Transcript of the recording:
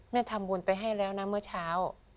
แม่ทำบุญไปให้แล้วนะเมื่อเช้า